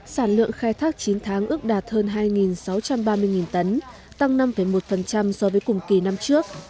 sản lượng khai thác chín tháng ước đạt hơn hai sáu trăm ba mươi tấn tăng năm một so với cùng kỳ năm trước